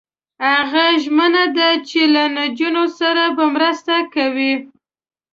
هغه ژمنه ده چې له نجونو سره به مرسته کوي.